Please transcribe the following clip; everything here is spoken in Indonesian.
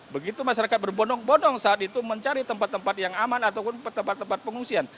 begitu masyarakat berbondong bondong saat itu mencari tempat tempat yang aman ataupun tempat tempat pengungsian